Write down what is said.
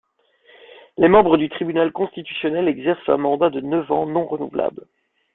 Les membres du Tribunal constitutionnel exercent un mandat de neuf ans non-renouvelable.